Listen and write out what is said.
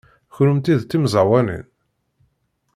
Kennemti d timẓawanin?